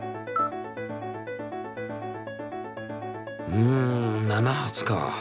うん７発か。